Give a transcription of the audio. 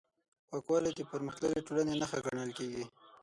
پاکوالی د پرمختللې ټولنې نښه ګڼل کېږي.